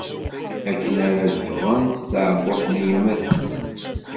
Akken ara d-ffɣen si tɛebbuṭ n yemma-tsen.